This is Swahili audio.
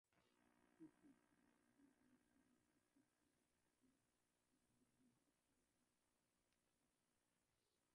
issues kama hizo ni kuna issues kama zile za degradation in terms of ee